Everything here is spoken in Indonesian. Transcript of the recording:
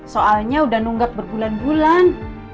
soalnya udah nunggak berbulan bulan